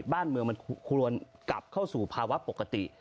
บ้านเมืองมันควรกลับเข้าสู่ภาวะปกติ